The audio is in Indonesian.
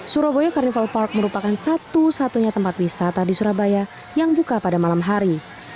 surabaya carnival park merupakan satu satunya tempat wisata di surabaya yang buka pada malam hari